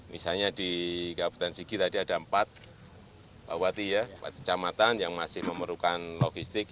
misalnya di kabupaten sigi tadi ada empat bawati ya empat kecamatan yang masih memerlukan logistik